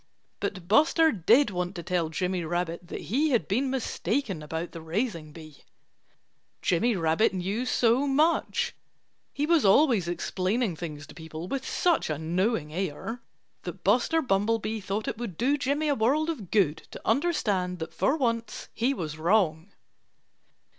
But Buster did want to tell Jimmy Rabbit that he had been mistaken about the raising bee. Jimmy Rabbit knew so much he was always explaining things to people with such a knowing air that Buster Bumblebee thought it would do Jimmy a world of good to understand that for once he was wrong.